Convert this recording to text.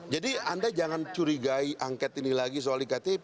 jadi anda jangan curigai angket ini lagi soal ktp